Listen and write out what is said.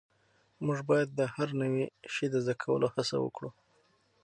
موږ باید د هر نوي سی د زده کولو هڅه وکړو.